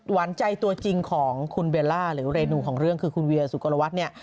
หวานใจตัวจริงของคุณเบลล่าหรือเรนูของเรื่องคือคุณเวียสุกรวัตรเนี่ย